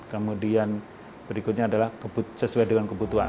kemudian berikutnya adalah sesuai dengan kebutuhan